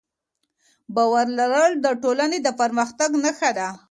د باور لرل د ټولنې د پرمختګ نښه ده.